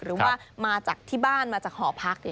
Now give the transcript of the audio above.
หรือว่ามาจากที่บ้านมาจากหอพัก